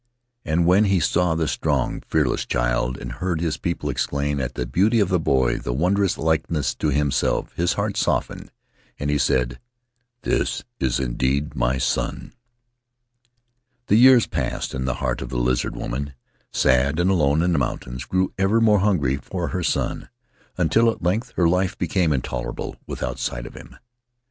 And when he saw the strong, fearless child and heard his people exclaim at the beauty of the boy and the wondrous likeness to himself his heart softened and he said, 'This is indeed my son!' "The years passed, and the heart of the Lizard Woman — sad and alone in the mountains — grew ever more hungry for her son, until at length her life became intolerable without sight of him.